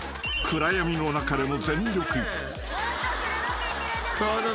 ［暗闇の中でも全力］